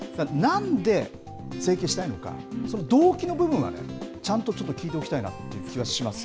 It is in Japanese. なんで整形したいのか、その動機の部分はね、ちゃんとちょっと聞いておきたいなという気がします